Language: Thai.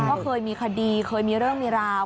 ว่าเคยมีคดีเคยมีเรื่องมีราว